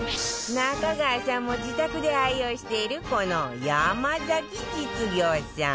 中川さんも自宅で愛用しているこの山崎実業さん